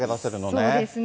そうですね。